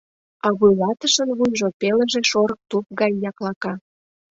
А вуйлатышын вуйжо пелыже шорык туп гай яклака.